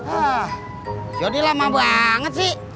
ah jadi lama banget sih